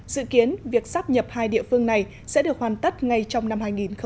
dự kiến việc sắp nhập hai địa phương này sẽ được hoàn tất ngay trong năm hai nghìn hai mươi